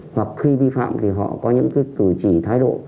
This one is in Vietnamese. hoặc khi vi phạm thì họ có những cái cử chỉ thái độ